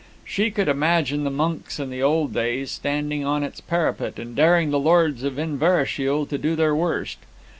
She could imagine the monks in the old days, standing on its parapet and daring the Lords of Inverashiel to do their worst.